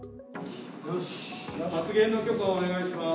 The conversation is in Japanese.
発言の許可をお願いします。